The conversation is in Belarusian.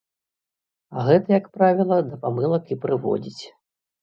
А гэта, як правіла, да памылак і прыводзіць.